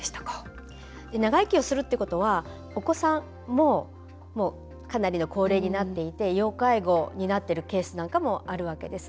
長生きをするっていうことはお子さんも、もうかなりの高齢になっていて要介護になっているケースなんかも、あるわけです。